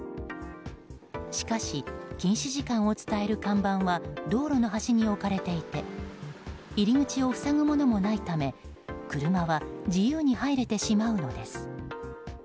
しかし、禁止時間を伝える看板は道路の端に置かれていて入り口を塞ぐものもないため車は自由に入れてしまうのです。